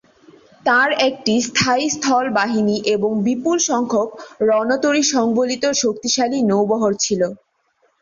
তাঁর একটি স্থায়ী স্থল বাহিনী এবং বিপুল সংখ্যক রণতরী সংবলিত শক্তিশালী নৌবহর ছিল।